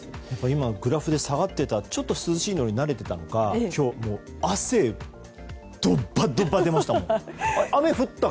今、グラフで下がっていたちょっと涼しいのに慣れていたのか今日は汗がドバドバ出ました。